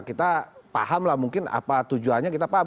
kita paham lah mungkin apa tujuannya kita paham